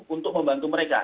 untuk membantu mereka